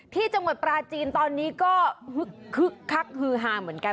ที่จังหวัดปราจีนตอนนี้ก็คึกคักฮือฮาเหมือนกัน